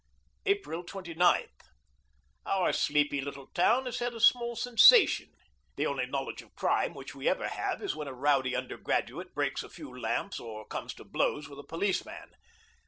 April 29. Our sleepy little town has had a small sensation. The only knowledge of crime which we ever have is when a rowdy undergraduate breaks a few lamps or comes to blows with a policeman.